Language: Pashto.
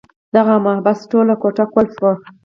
دغه محبس ټول کوټه قلف وو.